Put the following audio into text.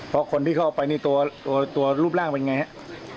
เพราะคนที่เข้าไปนี่ตัวรูปร่างเป็นไงครับ